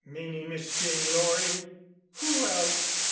"Meaning Miss Jane Loring?" "Who else?